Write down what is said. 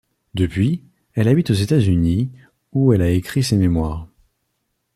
Depuis, elle habite aux États-Unis où elle a écrit ses mémoires.